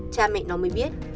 cha mẹ nó mới biết